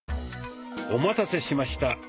お待たせしました。